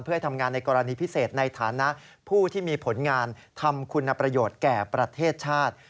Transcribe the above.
เพื่อให้ทำงานในกรณีพิเศษในฐานะผู้ที่มีผลงานทำคุณประโยชน์แก่ประเทศชาติ